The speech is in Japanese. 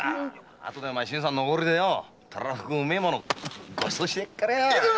あとで新さんのおごりでたらふくうまいものごちそうしてやるからよ！